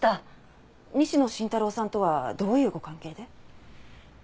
西野伸太郎さんとはどういうご関係で？